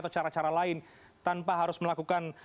atau cara cara lain tanpa harus melakukan